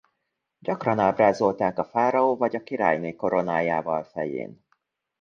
Gyakran ábrázolták a fáraó vagy a királyné koronájával fején.